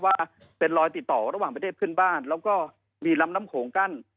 ว่าเป็นรอยติดต่อระหว่างประเทศเพื่อนบ้านแล้วก็มีลำน้ำโขงกั้น